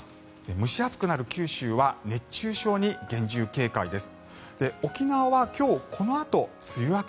蒸し暑くなる九州は熱中症に厳重警戒です。